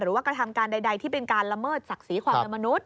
กระทำการใดที่เป็นการละเมิดศักดิ์ศรีความเป็นมนุษย